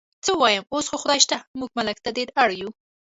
څه ووایم، اوس خو خدای شته موږ ملک ته ډېر اړ یو.